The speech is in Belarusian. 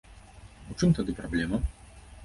У чым тады праблема?